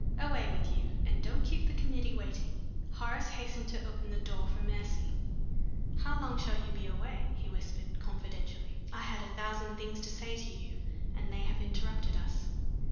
Away with you and don't keep the committee waiting." Horace hastened to open the door for Mercy. "How long shall you be away?" he whispered, confidentially. "I had a thousand things to say to you, and they have interrupted us."